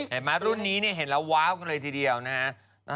เห็นมารุ่นนี้เนี่ยเห็นแล้วว้าวเลยทีเดียวนะฮะ